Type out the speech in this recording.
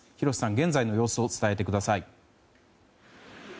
現在の様子を伝えてください。